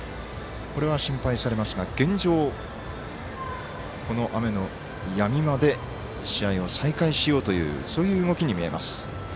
これは心配されますが現状、この雨のやみまで試合を再開しようというそういう動きに見えます。